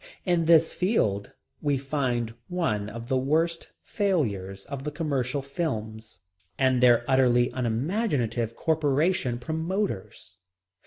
In this field we find one of the worst failures of the commercial films, and their utterly unimaginative corporation promoters.